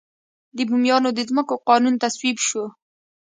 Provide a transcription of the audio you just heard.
د بوميانو د ځمکو قانون تصویب شو.